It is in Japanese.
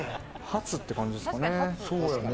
ハツって感じですかね。